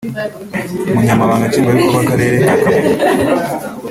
umunyamabanga nshingwabikorwa w’Akarere ka Kamonyi